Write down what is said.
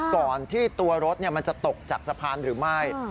ก่อนที่ตัวรถมันจะตกจากสะพานหรือไม่